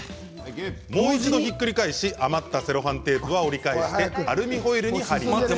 もう一度ひっくり返し余ったセロハンテープは折り返してアルミホイルに貼ります。